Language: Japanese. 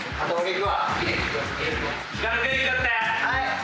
はい。